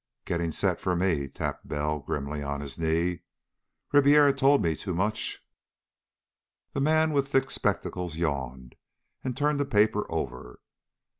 "Getting set for me," tapped Bell grimly on his knee. "Ribiera told me too much." The man with thick spectacles yawned and turned the paper over.